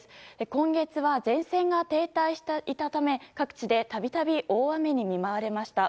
今月は前線が停滞していたため各地で度々大雨に見舞われました。